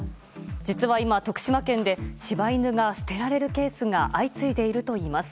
実は今、徳島県で柴犬が捨てられるケースが相次いでいるといいます。